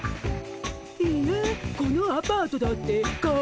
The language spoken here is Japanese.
いいえこのアパートだって買える！